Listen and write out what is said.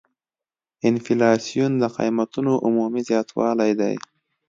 انفلاسیون د قیمتونو عمومي زیاتوالی دی.